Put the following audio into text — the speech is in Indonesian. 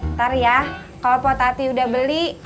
ntar ya kalau po tati udah beli